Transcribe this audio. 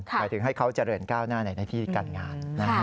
หมายถึงให้เขาเจริญก้าวหน้าในหน้าที่การงาน